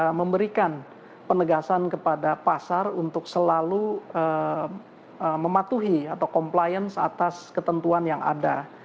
kita memberikan penegasan kepada pasar untuk selalu mematuhi atau compliance atas ketentuan yang ada